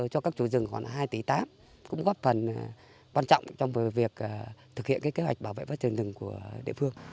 cho các chủ rừng khoảng hai tỷ tám cũng góp phần quan trọng trong việc thực hiện kế hoạch bảo vệ phát triển rừng của địa phương